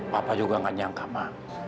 papa juga tidak nyangka ma